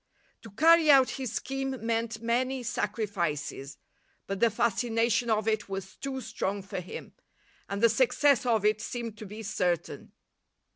To carry out his scheme meant many sacrifices, but the fascination of it was too strong for him, and the success of it seemed to be certain.